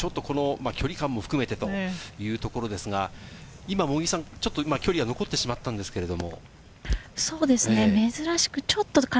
距離感も含めてというところですが、今、ちょっと距離は残ってしまったんですけれど。